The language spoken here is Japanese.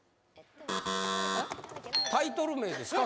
タイトル名ですか？